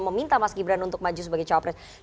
meminta mas gibran untuk maju sebagai cowok presiden